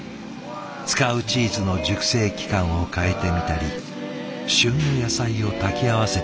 使うチーズの熟成期間を変えてみたり旬の野菜を炊き合わせてみたり。